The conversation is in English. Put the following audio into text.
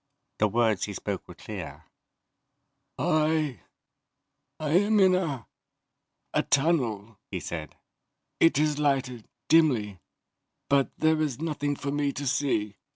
The words he spoke were clear. "I am in a ... a ... tunnel," he said. "It is lighted, dimly, but there is nothing for me to see."